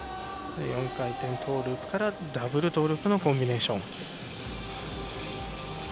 ４回転トーループからダブルトーループのコンビネーション。